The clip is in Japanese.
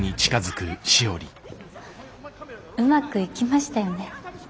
うまくいきましたよね？